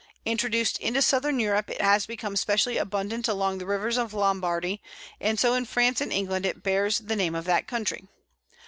Introduced into Southern Europe, it has become specially abundant along the rivers of Lombardy, and so in France and England it bears the name of that country.